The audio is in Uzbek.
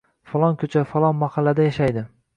Falon ko`cha, falon mahallada yashaydi